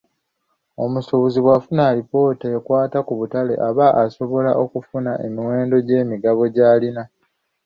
Omusuubuzi bw'afuna alipoota ekwata ku butale aba asobola okumanya emiwendo gy'emigabo gy'alina.